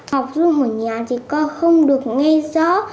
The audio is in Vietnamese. học dùm ở nhà thì con không được nghe gió